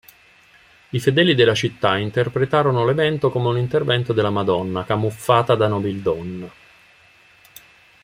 I fedeli della città interpretarono l'evento come un intervento della Madonna, camuffata da nobildonna.